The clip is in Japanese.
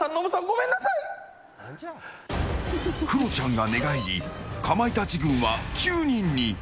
クロちゃんが寝返りかまいたち軍は９人に。